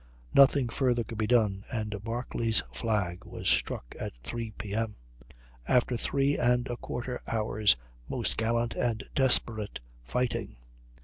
Nothing further could be done, and Barclay's flag was struck at 3 P.M., after three and a quarter hours' most gallant and desperate fighting.